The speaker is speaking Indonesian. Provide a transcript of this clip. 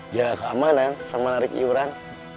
jaga keamanan sama lari ke iuran